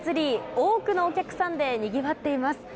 多くのお客さんでにぎわっています。